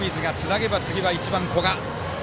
清水がつなげば、１番、古賀。